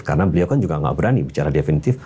karena beliau kan juga nggak berani bicara definitif